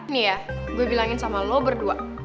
nih ya gue bilangin sama lo berdua